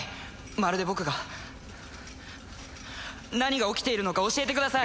まるで僕が何が起きているのか教えてください